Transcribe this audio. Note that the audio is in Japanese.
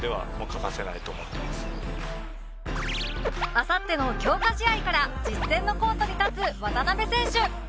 あさっての強化試合から実戦のコートに立つ渡邊選手。